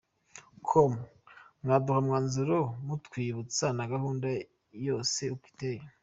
com : Mwaduha umwanzuro mutwibutsa na gahunda yose uko iteye ?.